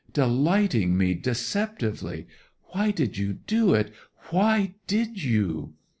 'Delighting me deceptively! Why did you do it—why did you!